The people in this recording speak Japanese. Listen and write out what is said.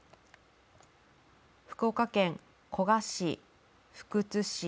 福岡県古河市福津市